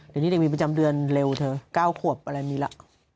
เด็กนี้เด็กมีประจำเดือนเร็วเถอะเข้า๙ขวบอะไรมีละ